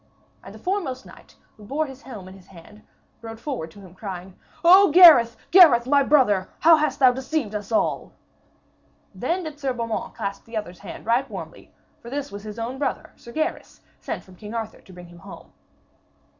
And the foremost knight, who bore his helm in his hand, rode forward to him, crying: 'O Gareth, Gareth, my brother, how hast thou deceived us all!' Then did Sir Beaumains clasp the other's hand right warmly, for this was his own brother, Sir Gaheris, sent from King Arthur to bring him home.